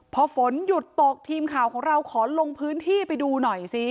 พอฝนหยุดตกทีมข่าวของเราขอลงพื้นที่ไปดูหน่อยซิ